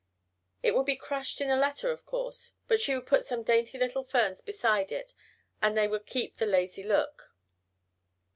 It would be crushed in a letter of course, but she would put some dainty little ferns beside it and they would keep the lazy look.